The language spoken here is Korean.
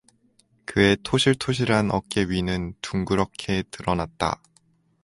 그의 토실토실한 어깨 위는 둥그렇게 드러났다.